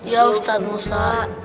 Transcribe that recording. ya ustadz musa